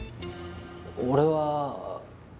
俺は。